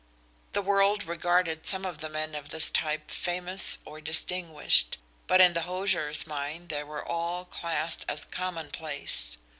The world regarded some of the men of this type famous or distinguished, but in the hosier's mind they were all classed as commonplace.